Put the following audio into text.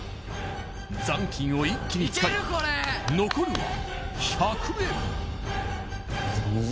残金を一気に使い残るは１００円